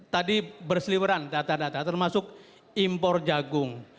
tadi berseliweran data data termasuk impor jagung